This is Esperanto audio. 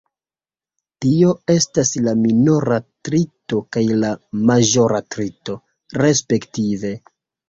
Tio estas la minora trito kaj la maĵora trito, respektive.